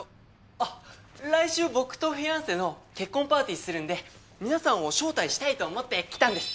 あっ来週僕とフィアンセの結婚パーティーするんで皆さんを招待したいと思って来たんです。